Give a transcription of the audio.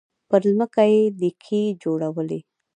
پر ځمکه يې ليکې جوړولې.